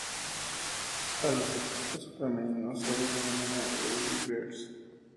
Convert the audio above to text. A los equipos femeninos se les denomina "Lady Bears".